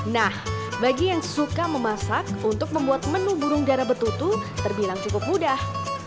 nah bagi yang suka memasak untuk membuat menu burung darah betutu terbilang cukup mudah